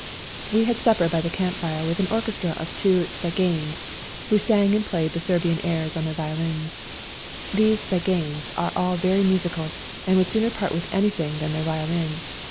We had supper by the camp fire with an orchestra of two Tziganes, who sang and played the Serbian airs on their violins. These Tziganes are all very musical and would sooner part with anything than their violin.